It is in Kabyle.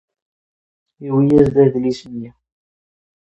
Yewwi-a?-d adlis-nni.